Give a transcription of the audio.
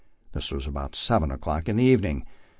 This was about seven o'clock in the evening.